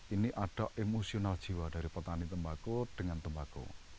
ini ada emosional jiwa dari petani tembakau dengan tembakau